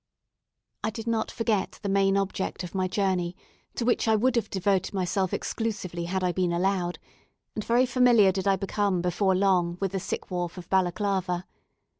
I did not forget the main object of my journey, to which I would have devoted myself exclusively had I been allowed; and very familiar did I become before long with the sick wharf of Balaclava.